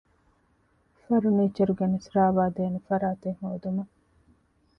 ފަރުނީޗަރ ގެނެސް ރާވައިދޭނެ ފަރާތެއް ހޯދުމަށް